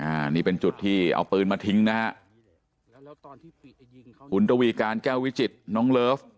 อันนี้เป็นจุดที่เอาปืนมาทิ้งนะฮะคุณตวีการแก้ววิจิตน้องเลิฟ